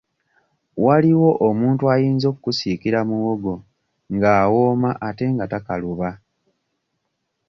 Waliwo omuntu ayinza okkusiikira muwogo ng'awooma ate nga takaluba.